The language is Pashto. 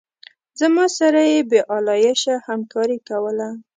زما سره یې بې آلایشه همکاري کوله.